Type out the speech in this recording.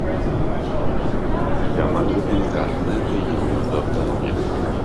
Я маю виконати одне таємне завдання.